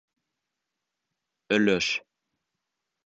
Өлөш